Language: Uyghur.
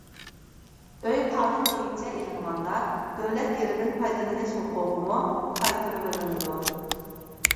ئۆي قانۇن بويىچە ئېلىنغاندا دۆلەت يېرىدىن پايدىلىنىش ھوقۇقىمۇ قايتۇرۇۋېلىنىدۇ.